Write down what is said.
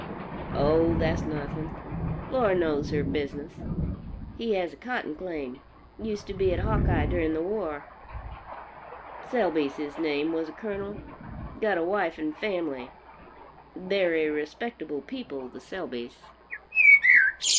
"Oh, that's nothing. Laura knows her business. He has a cotton claim. Used to be at Hawkeye during the war. "Selby's his name, was a Colonel. Got a wife and family. Very respectable people, the Selby's."